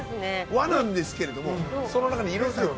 和なんですけれどもその中に。